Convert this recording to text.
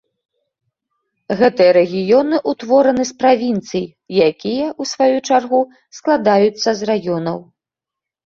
Гэтыя рэгіёны ўтвораны з правінцый, якія, у сваю чаргу, складаюцца з раёнаў.